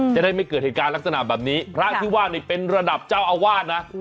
จะได้ไม่เกิดเหตุการณ์ลักษณะแบบนี้พระที่ว่านี่เป็นระดับเจ้าอาวาสนะ